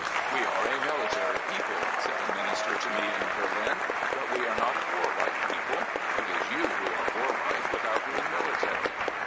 We are a military people,'' said a Minister to me in Berlin, but we are not a warlike people. It is you who are warlike without being military."